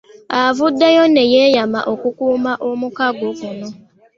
Avuddeyo ne yeeyama okukuuma omukago guno.